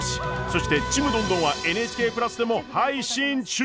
そして「ちむどんどん」は「ＮＨＫプラス」でも配信中！